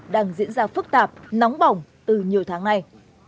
đang diễn ra phức tạp nóng bỏng từ nhiều tháng nay